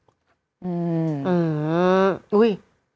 อืมอุ้ย